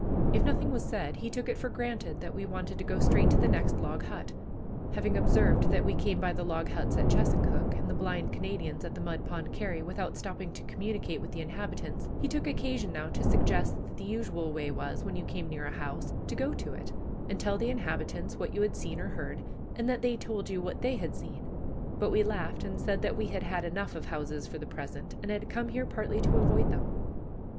If nothing was said, he took it for granted that we wanted to go straight to the next log hut. Having observed that we came by the log huts at Chesuncook, and the blind Canadian's at the Mud Pond carry, without stopping to communicate with the inhabitants, he took occasion now to suggest that the usual way was, when you came near a house, to go to it, and tell the inhabitants what you had seen or heard, and then they told you what they had seen; but we laughed and said that we had had enough of houses for the present, and had come here partly to avoid them.